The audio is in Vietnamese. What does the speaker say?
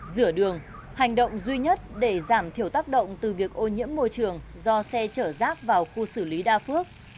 rửa đường hành động duy nhất để giảm thiểu tác động từ việc ô nhiễm môi trường do xe chở rác vào khu xử lý đa phước